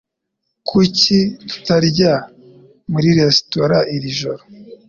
Kuki tutarya muri resitora iri joro?